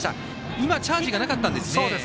今、チャージがなかったんですね。